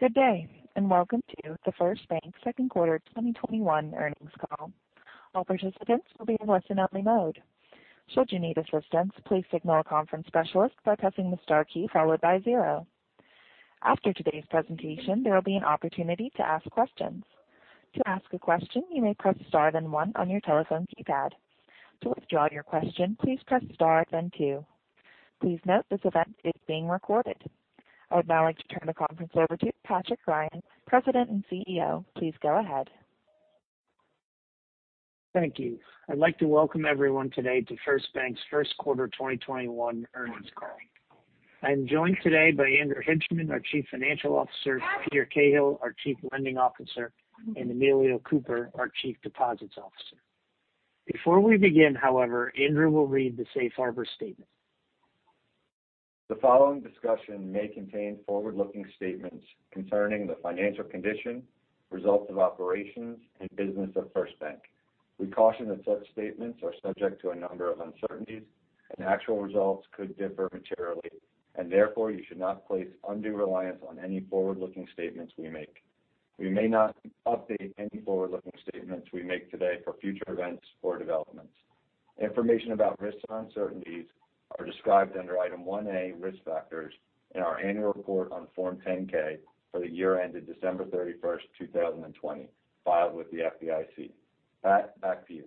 Good day, and welcome to the First Bank second quarter 2021 earnings call. I would now like to turn the conference over to Patrick Ryan, President and CEO. Please go ahead. Thank you. I'd like to welcome everyone today to First Bank's second quarter 2021 earnings call. I'm joined today by Andrew Hibshman, our Chief Financial Officer, Peter Cahill, our Chief Lending Officer, and Emilio Cooper, our Chief Deposits Officer. Before we begin, however, Andrew will read the Safe Harbor statement. The following discussion may contain forward-looking statements concerning the financial condition, results of operations, and business of First Bank. We caution that such statements are subject to a number of uncertainties, and actual results could differ materially, and therefore you should not place undue reliance on any forward-looking statements we make. We may not update any forward-looking statements we make today for future events or developments. Information about risks and uncertainties are described under Item 1A, Risk Factors, in our annual report on Form 10-K for the year ended December 31st, 2020, filed with the FDIC. Pat, back to you.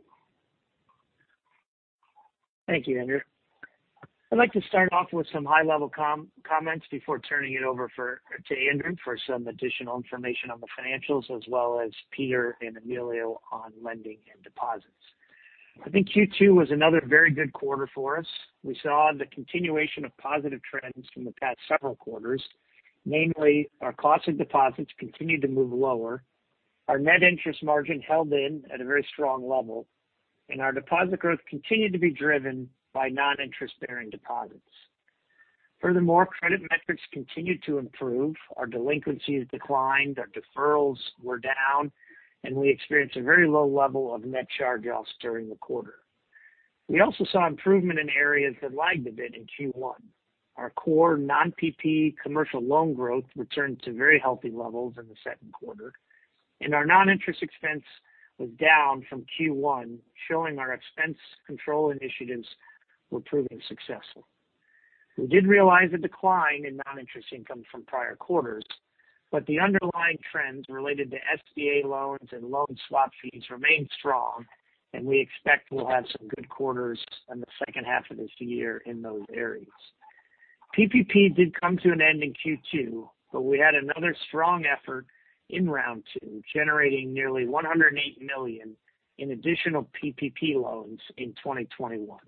Thank you, Andrew. I'd like to start off with some high-level comments before turning it over to Andrew for some additional information on the financials as well as Peter and Emilio on lending and deposits. I think Q2 was another very good quarter for us. We saw the continuation of positive trends from the past several quarters. Namely, our cost of deposits continued to move lower. Our net interest margin held in at a very strong level, and our deposit growth continued to be driven by non-interest-bearing deposits. Furthermore, credit metrics continued to improve. Our delinquencies declined, our deferrals were down, and we experienced a very low level of net charge-offs during the quarter. We also saw improvement in areas that lagged a bit in Q1. Our core non-PPP commercial loan growth returned to very healthy levels in the second quarter, and our non-interest expense was down from Q1, showing our expense control initiatives were proving successful. We did realize a decline in non-interest income from prior quarters, but the underlying trends related to SBA loans and loan swap fees remain strong, and we expect we'll have some good quarters in the second half of this year in those areas. PPP did come to an end in Q2, but we had another strong effort in Round 2, generating nearly $108 million in additional PPP loans in 2021.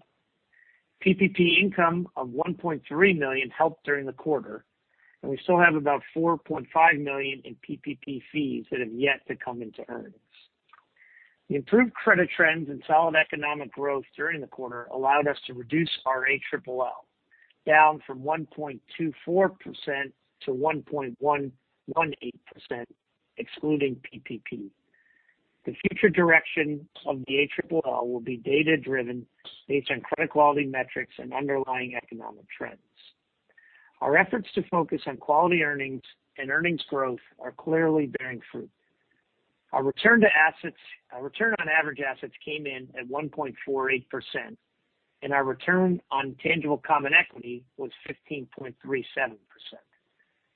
PPP income of $1.3 million helped during the quarter, and we still have about $4.5 million in PPP fees that have yet to come into earnings. The improved credit trends and solid economic growth during the quarter allowed us to reduce our ALLL, down from 1.24%-1.18%, excluding PPP. The future direction of the ALLL will be data-driven based on credit quality metrics and underlying economic trends. Our efforts to focus on quality earnings and earnings growth are clearly bearing fruit. Our return on average assets came in at 1.48%, and our return on tangible common equity was 15.37%.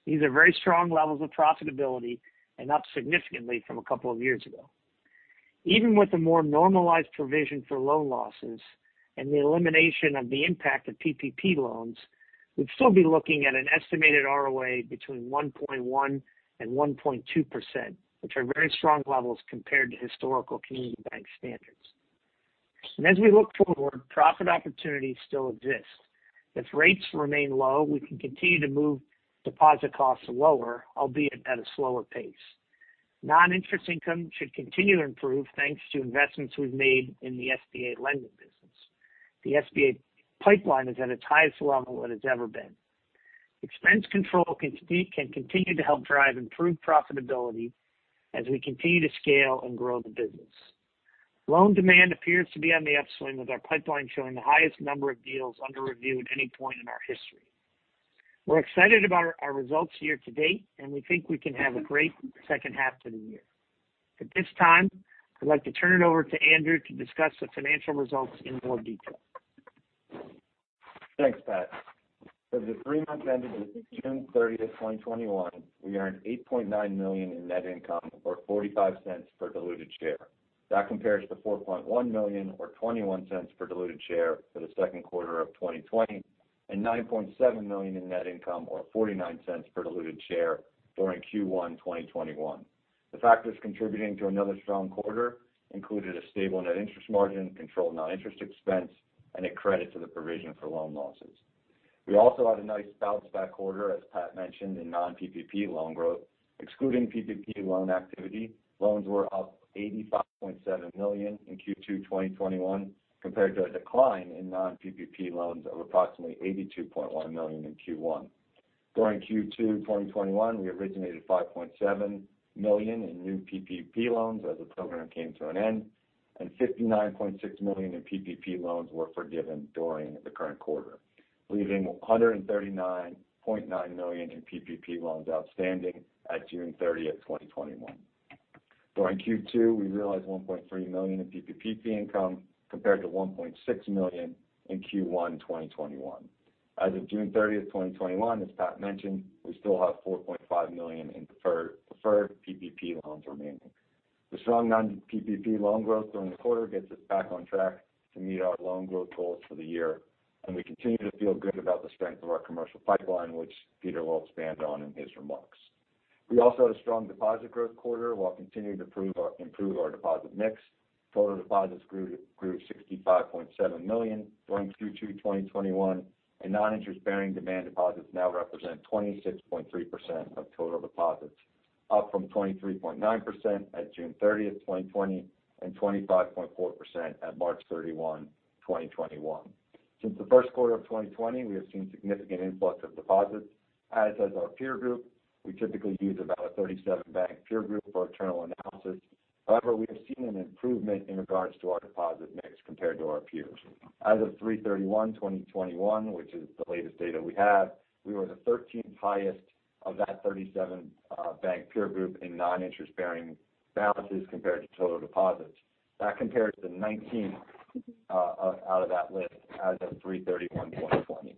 These are very strong levels of profitability and up significantly from a couple of years ago. Even with a more normalized provision for loan losses and the elimination of the impact of PPP loans, we'd still be looking at an estimated ROA between 1.1%-1.2%, which are very strong levels compared to historical community bank standards. As we look forward, profit opportunities still exist. If rates remain low, we can continue to move deposit costs lower, albeit at a slower pace. Non-interest income should continue to improve thanks to investments we've made in the SBA lending business. The SBA pipeline is at its highest level it has ever been. Expense control can continue to help drive improved profitability as we continue to scale and grow the business. Loan demand appears to be on the upswing with our pipeline showing the highest number of deals under review at any point in our history. We're excited about our results year to date, and we think we can have a great second half to the year. At this time, I'd like to turn it over to Andrew to discuss the financial results in more detail. Thanks, Pat. For the three months ended June 30th, 2021, we earned $8.9 million in net income, or $0.45 per diluted share. That compares to $4.1 million or $0.21 per diluted share for the second quarter of 2020 and $9.7 million in net income or $0.49 per diluted share during Q1 2021. The factors contributing to another strong quarter included a stable net interest margin, controlled non-interest expense, and a credit to the provision for loan losses. We also had a nice bounce back quarter, as Pat mentioned, in non-PPP loan growth. Excluding PPP loan activity, loans were up $85.7 million in Q2 2021 compared to a decline in non-PPP loans of approximately $82.1 million in Q1. During Q2 2021, we originated $5.7 million in new PPP loans as the program came to an end. $59.6 million in PPP loans were forgiven during the current quarter, leaving $139.9 million in PPP loans outstanding at June 30th, 2021. During Q2, we realized $1.3 million in PPP income compared to $1.6 million in Q1 2021. As of June 30th, 2021, as Pat mentioned, we still have $4.5 million in deferred PPP fees remaining. The strong non-PPP loan growth during the quarter gets us back on track to meet our loan growth goals for the year. We continue to feel good about the strength of our commercial pipeline, which Peter will expand on in his remarks. We also had a strong deposit growth quarter while continuing to improve our deposit mix. Total deposits grew $65.7 million during Q2 2021. Non-interest-bearing demand deposits now represent 26.3% of total deposits, up from 23.9% at June 30th, 2020 and 25.4% at March 31, 2021. Since the first quarter of 2020, we have seen significant influx of deposits, as has our peer group. We typically use about a 37-bank peer group for internal analysis. We have seen an improvement in regards to our deposit mix compared to our peers. As of March 31, 2021, which is the latest data we have, we were the 13th highest of that 37-bank peer group in non-interest-bearing balances compared to total deposits. That compares to the 19th out of that list as of March 31, 2020.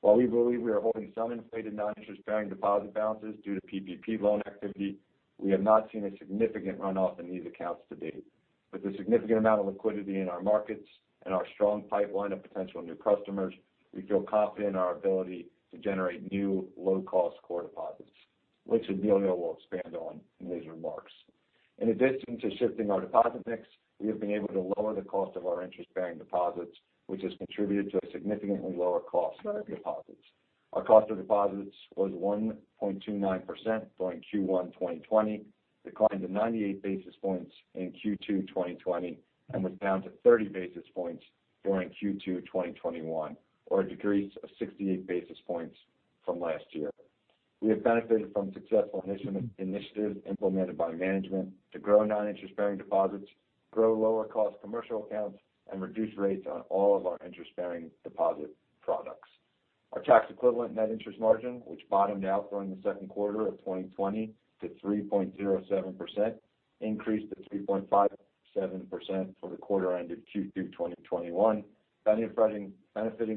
While we believe we are holding some inflated non-interest-bearing deposit balances due to PPP loan activity, we have not seen a significant runoff in these accounts to date. With the significant amount of liquidity in our markets and our strong pipeline of potential new customers, we feel confident in our ability to generate new low-cost core deposits, which Emilio will expand on in his remarks. In addition to shifting our deposit mix, we have been able to lower the cost of our interest-bearing deposits, which has contributed to a significantly lower cost of deposits. Our cost of deposits was 1.29% during Q1 2020, declined to 98 basis points in Q2 2020, and was down to 30 basis points during Q2 2021, or a decrease of 68 basis points from last year. We have benefited from successful initiatives implemented by management to grow non-interest-bearing deposits, grow lower-cost commercial accounts, and reduce rates on all of our interest-bearing deposit products. Our tax equivalent net interest margin, which bottomed out during the second quarter of 2020 to 3.07%, increased to 3.57% for the quarter ended Q2 2021, benefiting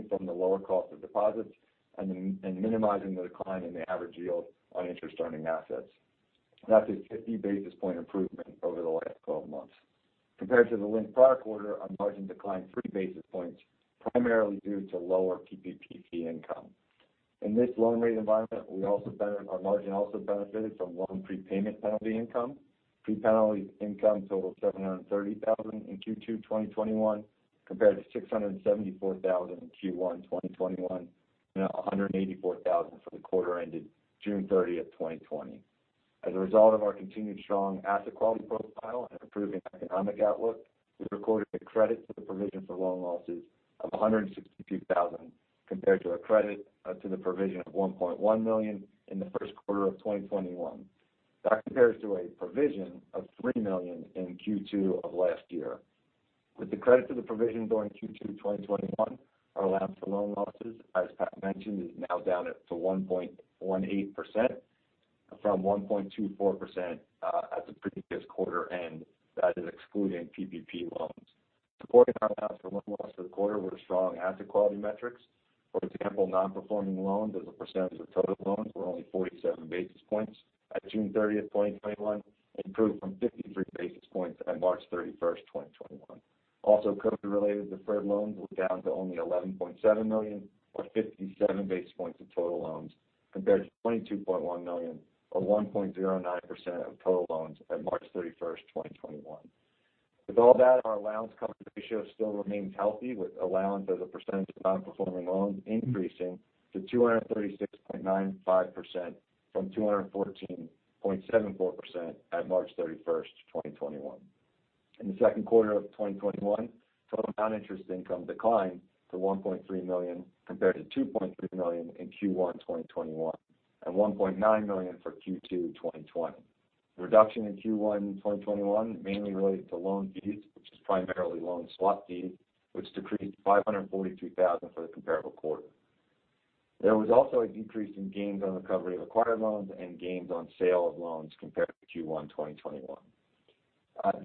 from the lower cost of deposits and minimizing the decline in the average yield on interest-earning assets. That's a 50 basis point improvement over the last 12 months. Compared to the linked prior quarter, our margin declined 3 basis points, primarily due to lower PPP income. In this loan rate environment, our margin also benefited from loan prepayment penalty income. Pre-penalty income totaled $730,000 in Q2 2021 compared to $674,000 in Q1 2021 and $184,000 for the quarter ended June 30th, 2020. As a result of our continued strong asset quality profile and improving economic outlook, we recorded a credit to the provision for loan losses of $162,000 compared to a credit to the provision of $1.1 million in the first quarter of 2021. That compares to a provision of $3 million in Q2 of last year. With the credit to the provision during Q2 2021, our allowance for loan losses, as Pat mentioned, is now down to 1.18% from 1.24% at the previous quarter, and that is excluding PPP loans. Supporting our allowance for loan loss for the quarter were the strong asset quality metrics. For example, non-performing loans as a percentage of total loans were only 47 basis points at June 30th, 2021, improved from 53 basis points at March 31st, 2021. COVID-related deferred loans were down to only $11.7 million or 57 basis points of total loans compared to $22.1 million or 1.09% of total loans at March 31st, 2021. Our allowance coverage ratio still remains healthy with allowance as a percentage of non-performing loans increasing to 236.95% from 214.74% at March 31st, 2021. Total non-interest income declined to $1.3 million compared to $2.3 million in Q1 2021 and $1.9 million for Q2 2020. Reduction in Q1 2021 mainly related to loan fees, which is primarily loan swap fees, which decreased $543,000 for the comparable quarter. There was also a decrease in gains on recovery of acquired loans and gains on sale of loans compared to Q1 2021.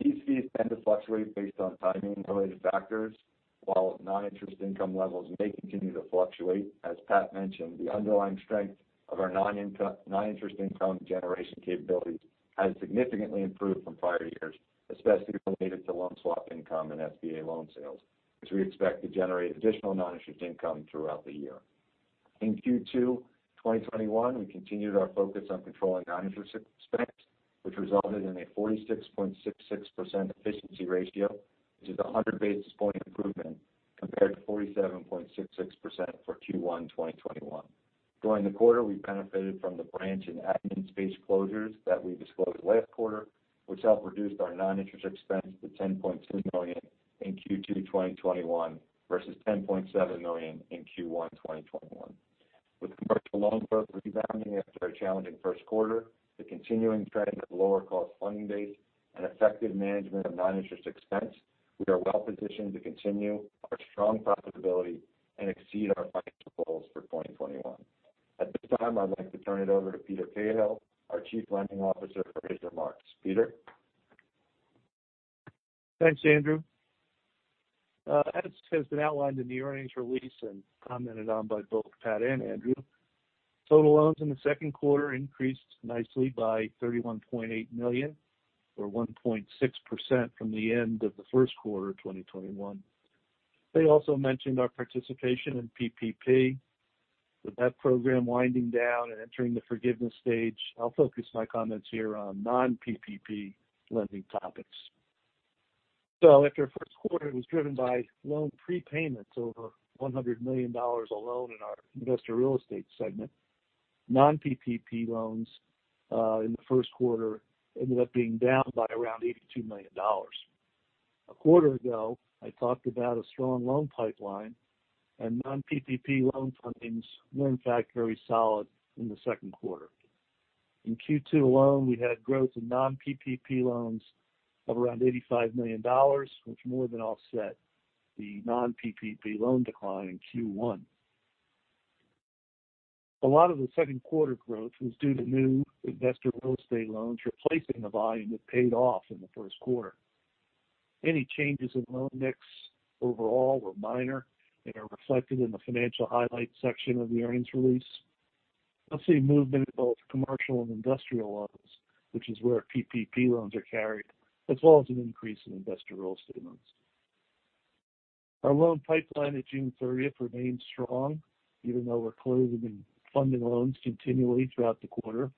These fees tend to fluctuate based on timing-related factors. While non-interest income levels may continue to fluctuate, as Pat mentioned, the underlying strength of our non-interest income generation capabilities has significantly improved from prior years, especially related to loan swap income and SBA loan sales, which we expect to generate additional non-interest income throughout the year. In Q2 2021, we continued our focus on controlling non-interest expense, which resulted in a 46.66% efficiency ratio, which is 100 basis point improvement compared to 47.66% for Q1 2021. During the quarter, we benefited from the branch and admin space closures that we disclosed last quarter, which helped reduce our non-interest expense to $10.2 million in Q2 2021 versus $10.7 million in Q1 2021. With commercial loan growth rebounding after a challenging first quarter, the continuing trend of lower cost funding base, and effective management of non-interest expense, we are well-positioned to continue our strong profitability and exceed our financial goals for 2021. At this time, I'd like to turn it over to Peter Cahill, our Chief Lending Officer, for his remarks. Peter? Thanks, Andrew. As has been outlined in the earnings release and commented on by both Pat and Andrew, total loans in the second quarter increased nicely by $31.8 million or 1.6% from the end of the first quarter of 2021. They also mentioned our participation in PPP. With that program winding down and entering the forgiveness stage, I'll focus my comments here on non-PPP lending topics. After first quarter was driven by loan prepayments over $100 million alone in our investor real estate segment, non-PPP loans in the first quarter ended up being down by around $82 million. A quarter ago, I talked about a strong loan pipeline, and non-PPP loan fundings were in fact very solid in the second quarter. In Q2 alone, we had growth in non-PPP loans of around $85 million, which more than offset the non-PPP loan decline in Q1. A lot of the second quarter growth was due to new investor real estate loans replacing the volume that paid off in the first quarter. Any changes in loan mix overall were minor and are reflected in the financial highlights section of the earnings release. I see movement in both commercial and industrial loans, which is where PPP loans are carried, as well as an increase in investor real estate loans. Our loan pipeline at June 30th remains strong even though we're closing and funding loans continually throughout the quarter.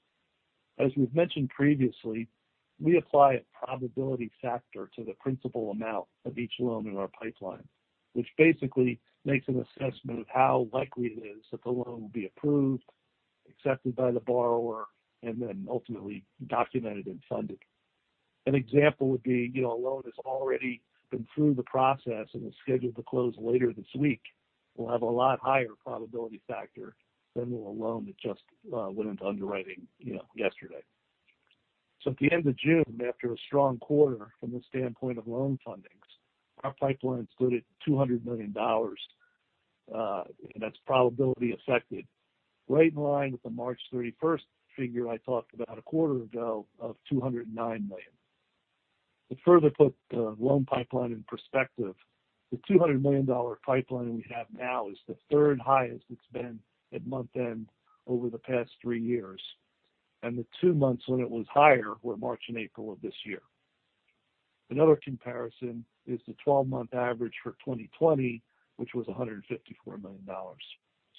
As we've mentioned previously, we apply a probability factor to the principal amount of each loan in our pipeline, which basically makes an assessment of how likely it is that the loan will be approved, accepted by the borrower, and then ultimately documented and funded. An example would be a loan has already been through the process and is scheduled to close later this week will have a lot higher probability factor than will a loan that just went into underwriting yesterday. At the end of June, after a strong quarter from the standpoint of loan fundings, our pipeline stood at $200 million, and that's probability affected. Right in line with the March 31st figure I talked about a quarter ago of $209 million. To further put the loan pipeline in perspective, the $200 million pipeline we have now is the third highest it's been at month-end over the past three years, and the two months when it was higher were March and April of this year. Another comparison is the 12-month average for 2020, which was $154 million.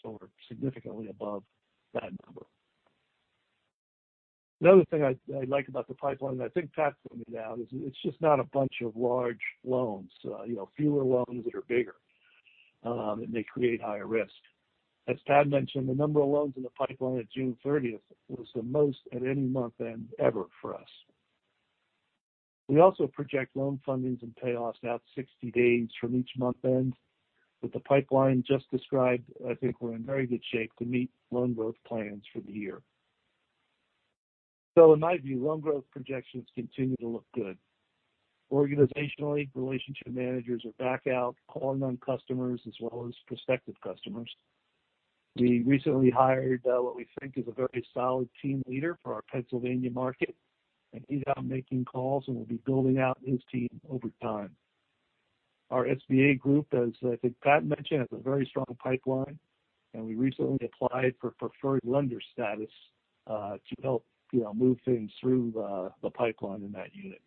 We're significantly above that number. Another thing I like about the pipeline, and I think Pat pointed out, is it's just not a bunch of large loans. Fewer loans that are bigger, and they create higher risk. As Pat mentioned, the number of loans in the pipeline at June 30th was the most at any month end ever for us. We also project loan fundings and payoffs out 60 days from each month end. With the pipeline just described, I think we're in very good shape to meet loan growth plans for the year. In my view, loan growth projections continue to look good. Organizationally, relationship managers are back out calling on customers as well as prospective customers. We recently hired what we think is a very solid team leader for our Pennsylvania market, and he's out making calls and will be building out his team over time. Our SBA group, as I think Pat mentioned, has a very strong pipeline, and we recently applied for preferred lender status, to help move things through the pipeline in that unit.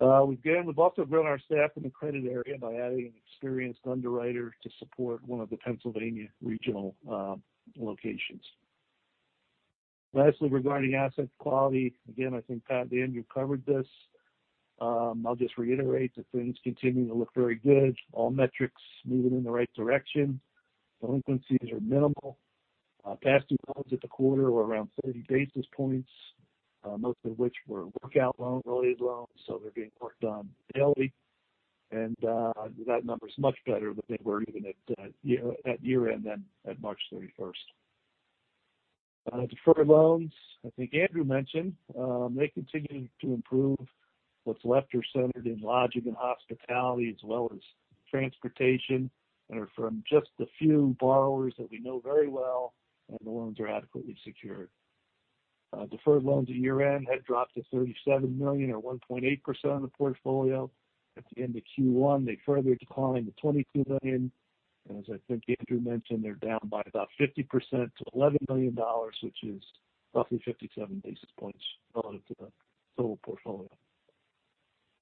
Again, we've also grown our staff in the credit area by adding an experienced underwriter to support one of the Pennsylvania regional locations. Lastly, regarding asset quality, again, I think Pat and Andrew covered this. I'll just reiterate that things continue to look very good. All metrics moving in the right direction. Delinquencies are minimal. Past due loans at the quarter were around 30 basis points, most of which were workout loan related loans, so they're being worked on daily. That number is much better than they were even at year-end than at March 31st. Deferred loans, I think Andrew mentioned, they continue to improve. What's left are centered in lodging and hospitality as well as transportation, and are from just the few borrowers that we know very well, and the loans are adequately secured. Deferred loans at year-end had dropped to $37 million or 1.8% of the portfolio. At the end of Q1, they further declined to $22 million. As I think Andrew mentioned, they're down by about 50% to $11 million, which is roughly 57 basis points relative to the total portfolio.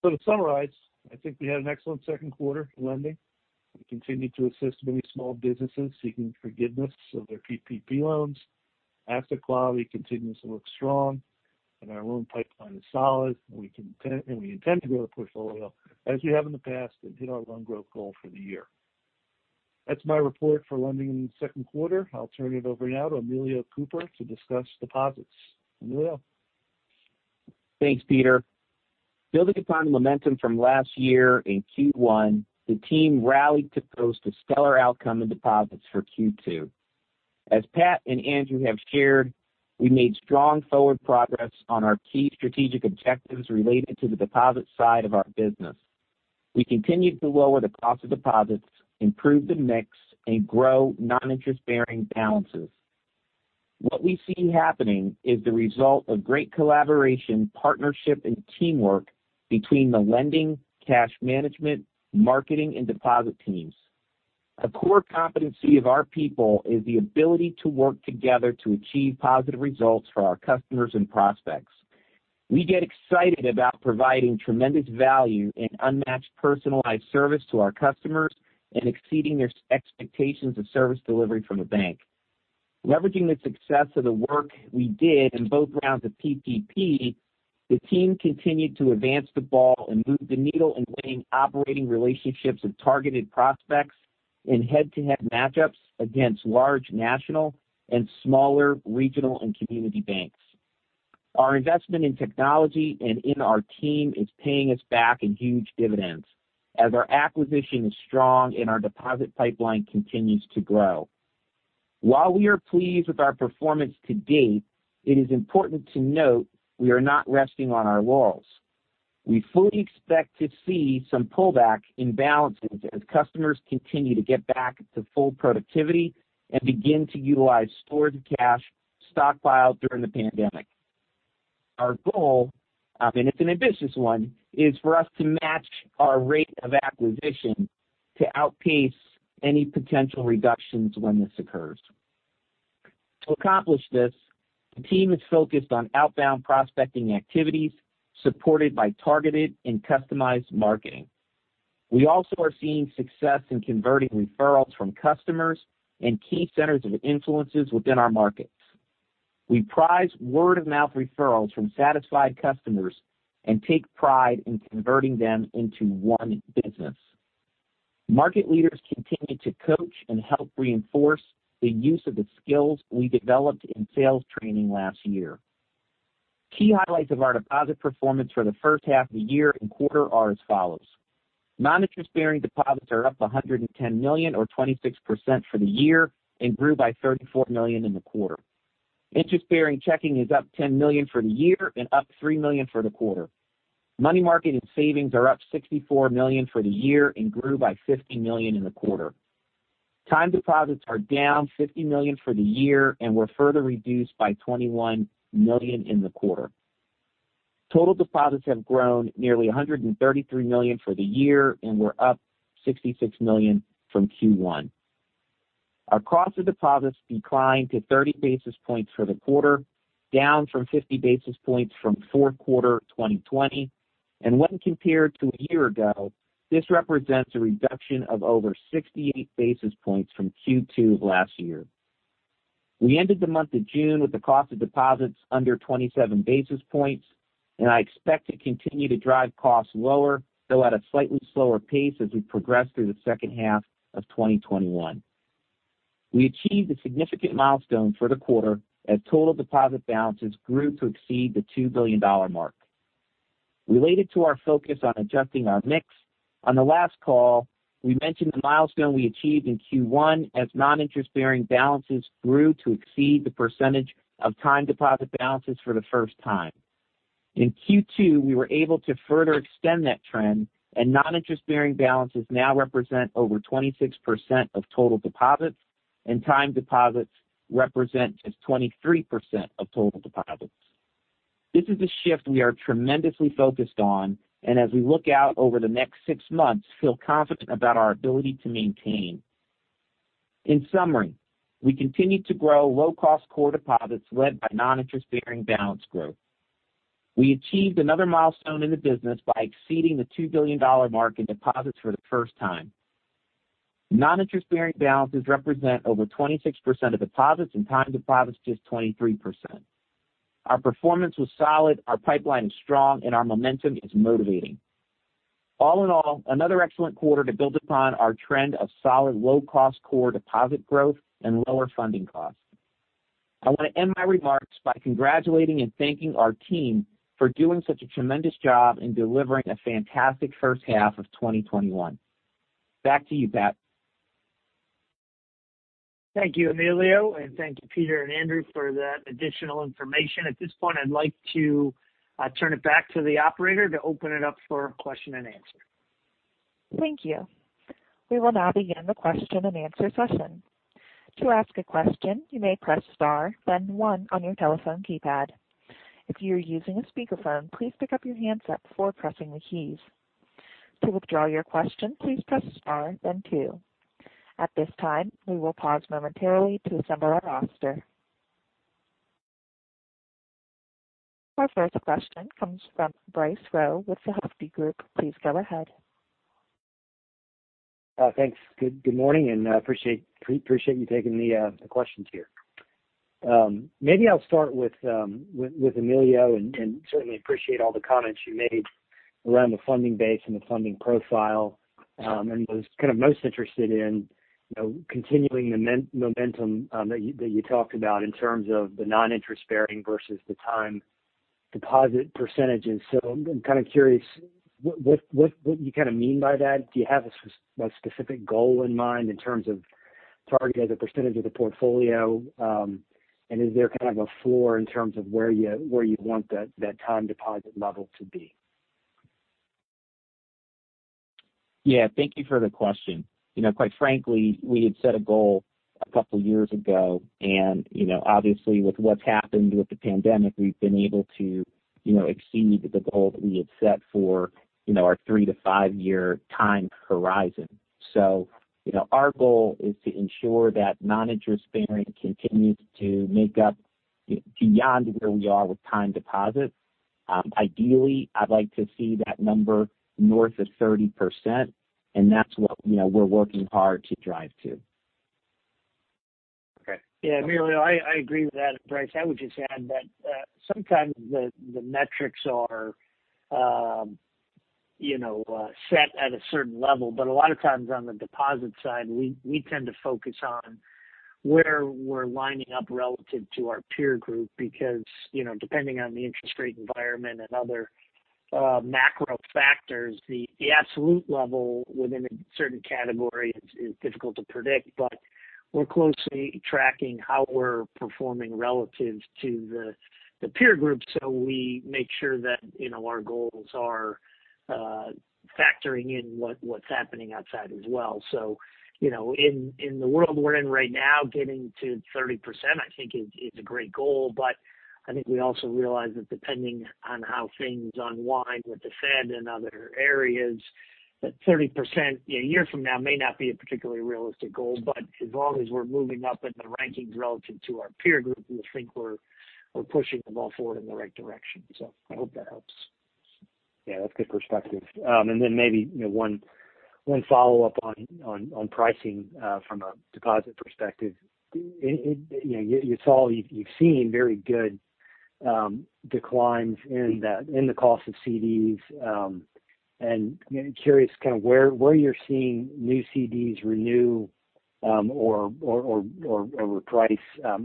To summarize, I think we had an excellent second quarter in lending. We continue to assist many small businesses seeking forgiveness of their PPP loans. Asset quality continues to look strong, and our loan pipeline is solid, and we intend to grow the portfolio as we have in the past and hit our loan growth goal for the year. That's my report for lending in the second quarter. I'll turn it over now to Emilio Cooper to discuss deposits. Emilio? Thanks, Peter. Building upon the momentum from last year in Q1, the team rallied to post a stellar outcome in deposits for Q2. As Pat and Andrew have shared, we made strong forward progress on our key strategic objectives related to the deposit side of our business. We continued to lower the cost of deposits, improve the mix, and grow non-interest-bearing balances. What we see happening is the result of great collaboration, partnership, and teamwork between the lending, cash management, marketing, and deposit teams. A core competency of our people is the ability to work together to achieve positive results for our customers and prospects. We get excited about providing tremendous value and unmatched personalized service to our customers and exceeding their expectations of service delivery from a bank. Leveraging the success of the work we did in both rounds of PPP, the team continued to advance the ball and move the needle in winning operating relationships with targeted prospects in head-to-head matchups against large national and smaller regional and community banks. Our investment in technology and in our team is paying us back in huge dividends as our acquisition is strong and our deposit pipeline continues to grow. While we are pleased with our performance to date, it is important to note we are not resting on our laurels. We fully expect to see some pullback in balances as customers continue to get back to full productivity and begin to utilize stored cash stockpiled during the pandemic. Our goal, and it's an ambitious one, is for us to match our rate of acquisition to outpace any potential reductions when this occurs. To accomplish this, the team is focused on outbound prospecting activities supported by targeted and customized marketing. We also are seeing success in converting referrals from customers and key centers of influences within our markets. We prize word-of-mouth referrals from satisfied customers and take pride in converting them into won business. Market leaders continue to coach and help reinforce the use of the skills we developed in sales training last year. Key highlights of our deposit performance for the first half of the year and quarter are as follows. Non-interest-bearing deposits are up $110 million or 26% for the year and grew by $34 million in the quarter. Interest-bearing checking is up $10 million for the year and up $3 million for the quarter. Money market and savings are up $64 million for the year and grew by $50 million in the quarter. Time deposits are down $50 million for the year and were further reduced by $21 million in the quarter. Total deposits have grown nearly $133 million for the year and were up $66 million from Q1. Our cost of deposits declined to 30 basis points for the quarter, down from 50 basis points from fourth quarter 2020, and when compared to a year ago, this represents a reduction of over 68 basis points from Q2 of last year. We ended the month of June with the cost of deposits under 27 basis points, and I expect to continue to drive costs lower, though at a slightly slower pace as we progress through the second half of 2021. We achieved a significant milestone for the quarter as total deposit balances grew to exceed the $2 billion mark. Related to our focus on adjusting our mix, on the last call, we mentioned the milestone we achieved in Q1 as non-interest-bearing balances grew to exceed the percentage of time deposit balances for the first time. In Q2, we were able to further extend that trend, and non-interest-bearing balances now represent over 26% of total deposits, and time deposits represent just 23% of total deposits. This is a shift we are tremendously focused on, and as we look out over the next six months, feel confident about our ability to maintain. In summary, we continued to grow low-cost core deposits led by non-interest-bearing balance growth. We achieved another milestone in the business by exceeding the $2 billion mark in deposits for the first time. Non-interest-bearing balances represent over 26% of deposits and time deposits just 23%. Our performance was solid, our pipeline is strong, and our momentum is motivating. All in all, another excellent quarter to build upon our trend of solid low-cost core deposit growth and lower funding costs. I want to end my remarks by congratulating and thanking our team for doing such a tremendous job in delivering a fantastic first half of 2021. Back to you, Pat. Thank you, Emilio, and thank you, Peter and Andrew for that additional information. At this point, I'd like to turn it back to the operator to open it up for question-and-answer. Thank you. We will now begin the question-and-answer session. To ask a question, you may press star then one on your telephone keypad. If you are using a speaker phone, please pick up your handset before pressing the keys. To withdraw your question, please press star then two. At this time, we will pause momentarily to assemble our roster. Our first question comes from Bryce Rowe with the Hovde Group. Please go ahead. Thanks. Good morning, appreciate you taking the questions here. Maybe I'll start with Emilio, certainly appreciate all the comments you made around the funding base and the funding profile. was kind of most interested in continuing the momentum that you talked about in terms of the non-interest-bearing versus the time deposit percentage. I'm kind of curious what you kind of mean by that? Do you have a specific goal in mind in terms of target as a percentage of the portfolio. Is there kind of a floor in terms of where you'd want that time deposit level to be? Yeah. Thank you for the question. Quite frankly, we had set a goal a couple of years ago, and obviously with what's happened with the pandemic, we've been able to exceed the goal that we had set for our three to five-year time horizon. Our goal is to ensure that non-interest bearing continues to make up beyond where we are with time deposits. Ideally, I'd like to see that number north of 30%, and that's what we're working hard to drive to. Okay. Emilio, I agree with that. Bryce, I would just add that sometimes the metrics are set at a certain level. A lot of times, on the deposit side, we tend to focus on where we're lining up relative to our peer group because depending on the interest rate environment and other macro factors, the absolute level within a certain category is difficult to predict. We're closely tracking how we're performing relative to the peer group so we make sure that our goals are factoring in what's happening outside as well. In the world we're in right now, getting to 30%, I think is a great goal. I think we also realize that depending on how things unwind with the Fed and other areas, that 30% a year from now may not be a particularly realistic goal. As long as we're moving up in the rankings relative to our peer group, we think we're pushing the ball forward in the right direction. I hope that helps. Yeah, that's good perspective. Maybe one follow-up on pricing from a deposit perspective. You've seen very good declines in the cost of CDs, and curious kind of where you're seeing new CDs renew or reprice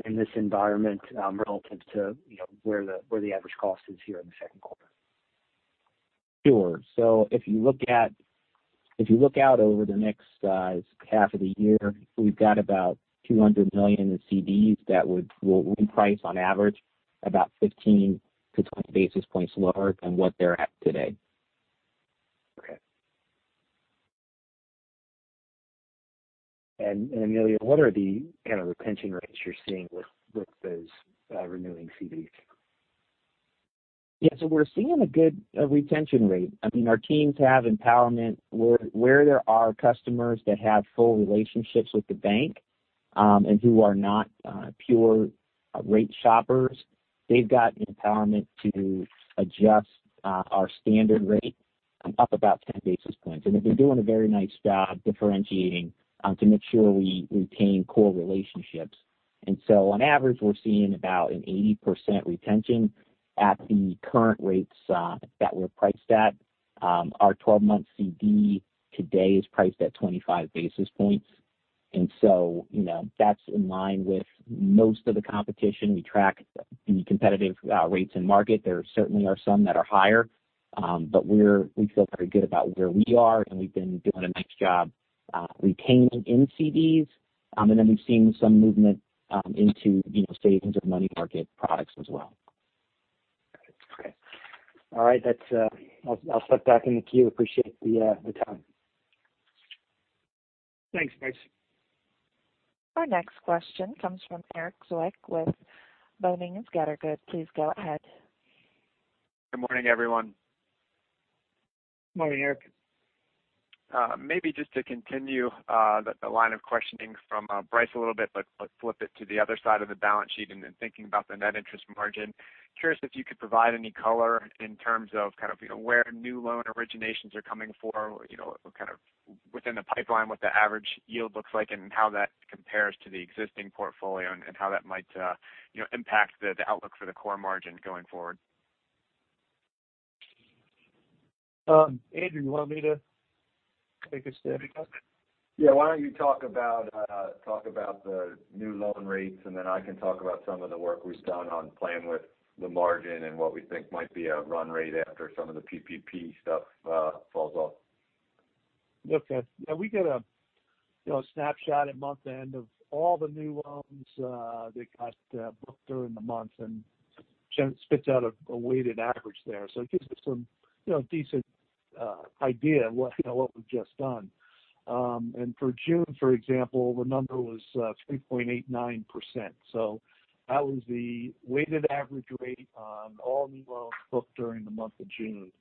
in this environment relative to where the average cost is here in the second quarter. Sure. If you look out over the next half of the year, we've got about $200 million in CDs that will reprice on average about 15-20 basis points lower than what they're at today. Okay. Emilio, what are the kind of retention rates you're seeing with those renewing CDs? Yeah. We're seeing a good retention rate. Our teams have empowerment where there are customers that have full relationships with the bank, and who are not pure rate shoppers. They've got empowerment to adjust our standard rate up about 10 basis points. They've been doing a very nice job differentiating to make sure we retain core relationships. On average, we're seeing about an 80% retention at the current rates that we're priced at. Our 12-month CD today is priced at 25 basis points. That's in line with most of the competition. We track the competitive rates in market. There certainly are some that are higher. We feel very good about where we are, and we've been doing a nice job retaining in CDs. We've seen some movement into savings or money market products as well. Okay. All right. I'll step back in the queue. Appreciate the time. Thanks, Bryce. Our next question comes from Erik Zwick with Boenning & Scattergood. Please go ahead. Good morning, everyone. Morning, Erik. Just to continue the line of questioning from Bryce a little bit, but flip it to the other side of the balance sheet and then thinking about the net interest margin. Curious if you could provide any color in terms of kind of where new loan originations are coming for, kind of within the pipeline, what the average yield looks like and how that compares to the existing portfolio and how that might impact the outlook for the core margin going forward. Andrew, you want me to take a stab at that? Yeah. Why don't you talk about the new loan rates, and then I can talk about some of the work we've done on playing with the margin and what we think might be a run rate after some of the PPP stuff falls off. Okay. Yeah, we get a snapshot at month-end of all the new loans that got booked during the month and spits out a weighted average there. It gives us some decent idea what we've just done. For June, for example, the number was 3.89%. That was the weighted average rate on all new loans booked during the month of June.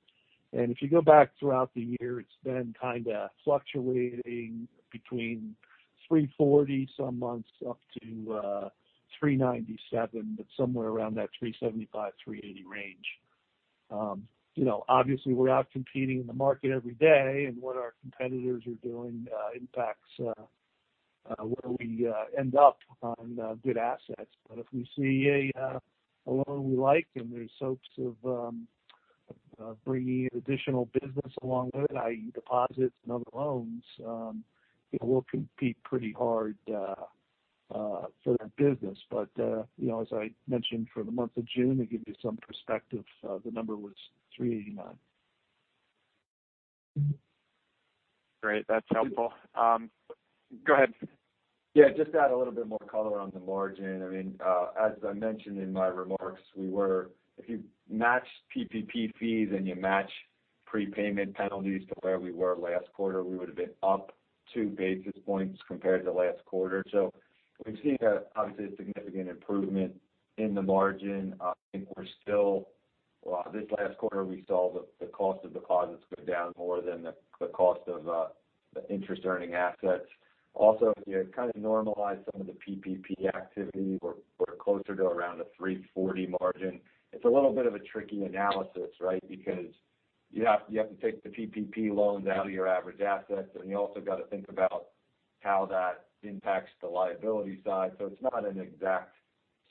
If you go back throughout the year, it's been kind of fluctuating between 3.40% some months up to 3.97%, but somewhere around that 3.75%-3.80% range. Obviously, we're out competing in the market every day, and what our competitors are doing impacts where we end up on good assets. If we see a loan we like and there's hopes of bringing additional business along with it, i.e., deposits and other loans, it will compete pretty hard for that business. As I mentioned for the month of June, to give you some perspective, the number was 3.89%. Great. That's helpful. Go ahead. Yeah. Just to add a little bit more color on the margin. As I mentioned in my remarks, if you match PPP fees and you match prepayment penalties to where we were last quarter, we would've been up 2 basis points compared to last quarter. So we've seen obviously a significant improvement in the margin. I think this last quarter, we saw the cost of deposits go down more than the cost of the interest-earning assets. Also, if you kind of normalize some of the PPP activity, we're closer to around a 3.40% margin. It's a little bit of a tricky analysis, right? Because you have to take the PPP loan out of your average assets, and you also got to think about how that impacts the liability side. So it's not an exact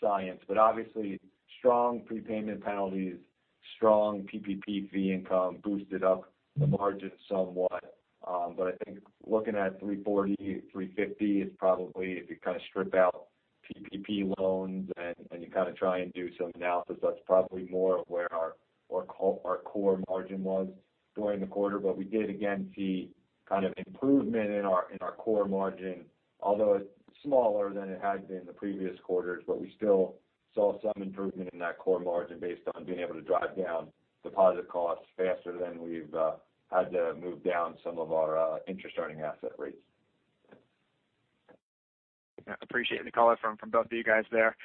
science, but obviously, strong prepayment penalties, strong PPP fee income boosted up the margin somewhat. I think looking at 3.40%, 3.50%, if you kind of strip out PPP loans and you kind of try and do some analysis, that's probably more of where our core margin was during the quarter. We did again see kind of improvement in our core margin, although it's smaller than it had been the previous quarters, but we still saw some improvement in that core margin based on being able to drive down deposit costs faster than we've had to move down some of our interest-earning asset rates. Yeah. Appreciate the color from both of you guys there.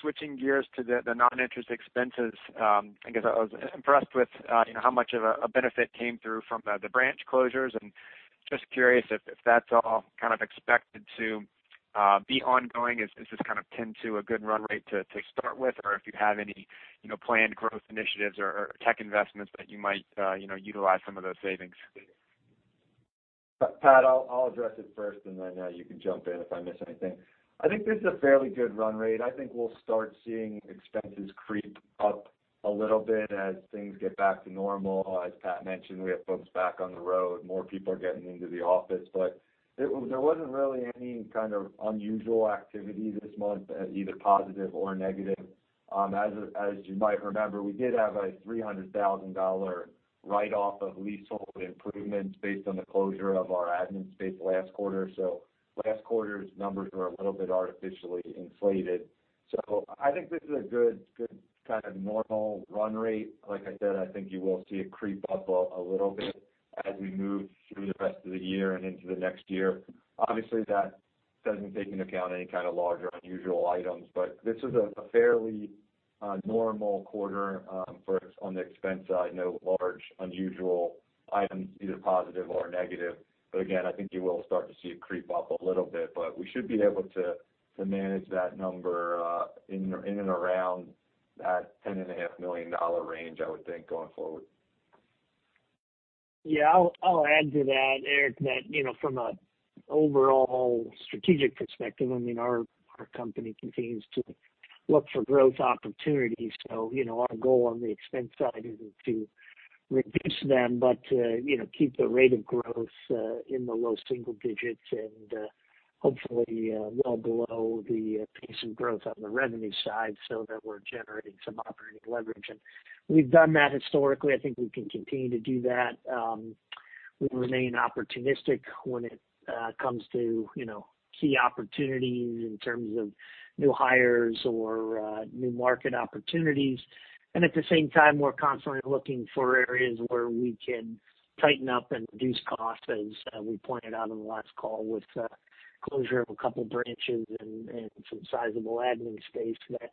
Switching gears to the non-interest expenses. I guess I was impressed with how much of a benefit came through from the branch closures, and just curious if that's all kind of expected to be ongoing. Is this kind of akin to a good run rate to start with? If you have any planned growth initiatives or tech investments that you might utilize some of those savings. Pat, I'll address it first and then you can jump in if I miss anything. I think this is a fairly good run rate. I think we'll start seeing expenses creep up a little bit as things get back to normal. As Pat mentioned, we have folks back on the road. More people are getting into the office. There wasn't really any kind of unusual activity this month as either positive or negative. As you might remember, we did have a $300,000 write-off of leasehold improvements based on the closure of our admin space last quarter. Last quarter's numbers are a little bit artificially inflated. I think this is a good kind of normal run rate. Like I said, I think you will see it creep up a little bit as we move through the rest of the year and into the next year. That doesn't take into account any kind of large or unusual items, but this is a fairly normal quarter for us on the expense side. No large unusual items, either positive or negative. Again, I think you will start to see it creep up a little bit. We should be able to manage that number in and around that $10.5 million range, I would think, going forward. Yeah. I'll add to that, Erik, that from an overall strategic perspective, our company continues to look for growth opportunities. Our goal on the expense side is to reduce them, but to keep the rate of growth in the low single digits and hopefully well below the pace of growth on the revenue side so that we're generating some operating leverage. We've done that historically. I think we can continue to do that. We remain opportunistic when it comes to key opportunities in terms of new hires or new market opportunities. At the same time, we're constantly looking for areas where we can tighten up and reduce costs, as we pointed out on the last call with closure of a couple branches and some sizable admin space that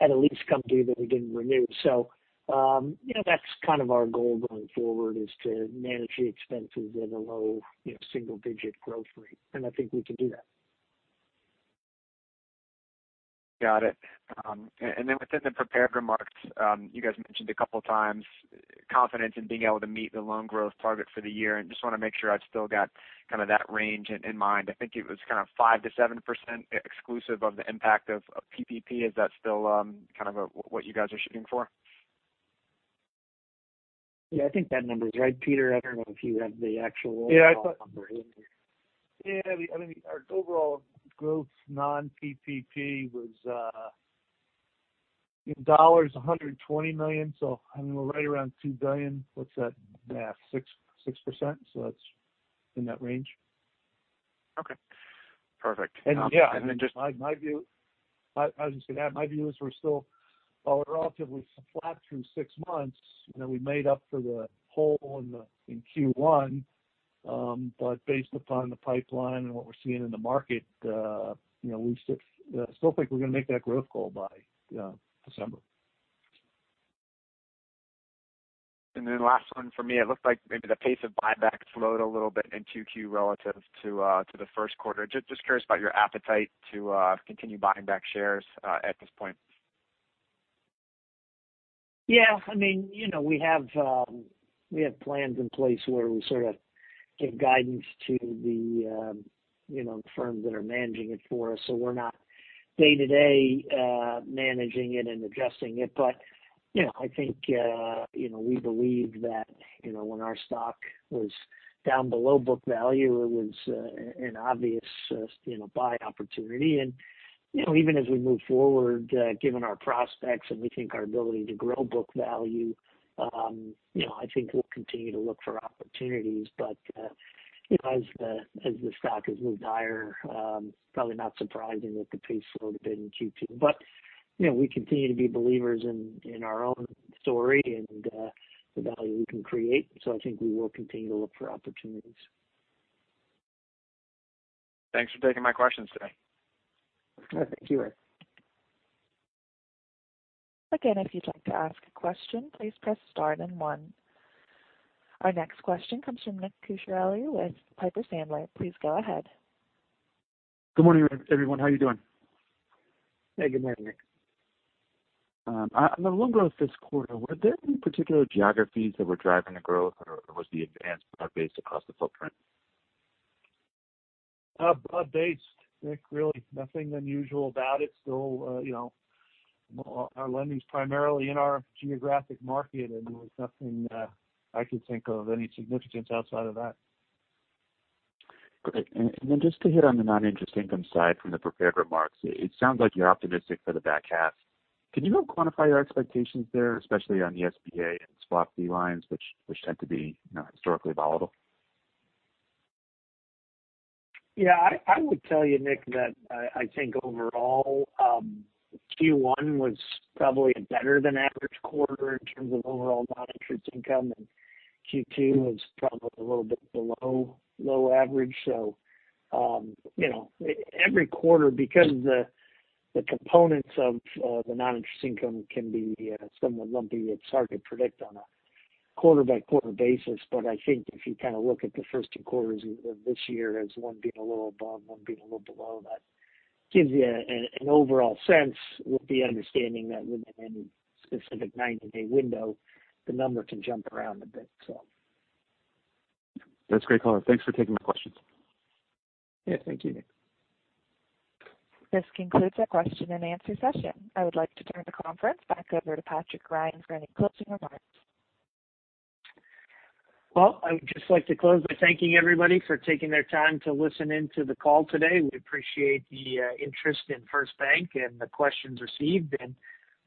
had a lease come due that we didn't renew. That's kind of our goal going forward, is to manage the expenses at a low single-digit growth rate. I think we can do that. Got it. Within the prepared remarks, you guys mentioned a couple times confidence in being able to meet the loan growth target for the year, just want to make sure I've still got kind of that range in mind. I think it was kind of 5%-7% exclusive of the impact of PPP. Is that still kind of what you guys are shooting for? Yeah, I think that number is right. Peter, I don't know if you have the? Yeah number here. Yeah. Our overall growth non-PPP was in dollars, $120 million. We're right around $2 billion. What's that math? 6%? That's in that range. Okay. Perfect. As you say, Pat, my view is we're still relatively flat through six months. We made up for the hole in Q1. Based upon the pipeline and what we're seeing in the market, we still think we're going to make that growth goal by December. Last one from me. It looked like maybe the pace of buybacks slowed a little bit in 2Q relative to the first quarter. Curious about your appetite to continue buying back shares at this point? Yeah. We have plans in place where we sort of give guidance to the firms that are managing it for us. We're not day-to-day managing it and adjusting it. I think we believed that when our stock was down below book value, it was an obvious buy opportunity. Even as we move forward, given our prospects and we think our ability to grow book value, I think we'll continue to look for opportunities. As the stock has moved higher, probably not surprising that the pace slowed a bit in Q2. We continue to be believers in our own story and the value we can create. I think we will continue to look for opportunities. Thanks for taking my questions today. Thank you. Again, if you'd like to ask a question, please press star then one. Our next question comes from [Nick] with Piper Sandler. Please go ahead. Good morning, everyone. How are you doing? Hey, good morning, Nick. On the loan growth this quarter, were there any particular geographies that were driving the growth, or was the advance broad-based across the footprint? Broad-based, Nick, really. Nothing unusual about it. Still, our lending's primarily in our geographic market, and there was nothing I could think of any significance outside of that. Great. Just to hit on the non-interest income side from the prepared remarks, it sounds like you're optimistic for the back half. Can you help quantify your expectations there, especially on the SBA and SBA fee lines, which tend to be historically volatile? Yeah. I would tell you, Nick, that I think overall, Q1 was probably a better than average quarter in terms of overall non-interest income, and Q2 was probably a little bit below low average. Every quarter, because the components of the non-interest income can be somewhat lumpy, it's hard to predict on a quarter-by-quarter basis. I think if you look at the first two quarters of this year as one being a little above, one being a little below, that gives you an overall sense with the understanding that within any specific 90-day window, the number can jump around a bit. That's great color. Thanks for taking my questions. Yeah, thank you, Nick. This concludes our question-and-answer session. I would like to turn the conference back over to Patrick Ryan for any closing remarks. Well, I would just like to close by thanking everybody for taking their time to listen in to the call today. We appreciate the interest in First Bank and the questions received, and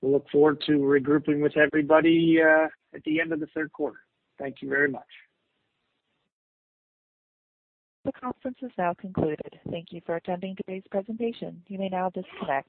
we look forward to regrouping with everybody at the end of the third quarter. Thank you very much. The conference is now concluded. Thank you for attending today's presentation. You may now disconnect.